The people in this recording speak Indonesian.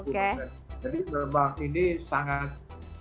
jadi memang ini sangat